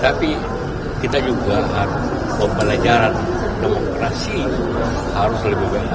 tapi kita juga harus pembelajaran demokrasi harus lebih baik